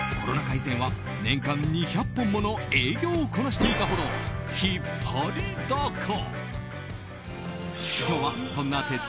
以前は年間２００本もの営業をこなしていたほど引っ張りだこ。